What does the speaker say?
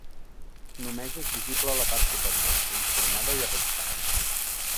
Només és visible la part superior, transformada i arrebossada.